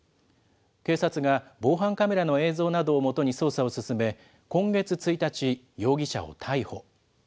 警察が防犯カメラの映像などをもとに捜査を進め、今月１日、容疑者を逮捕。